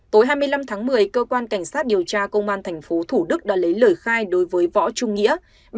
tối hai mươi năm tháng một mươi cơ quan cảnh sát điều tra công an tp thủ đức đã lấy lời khai đối với võ trung nghĩa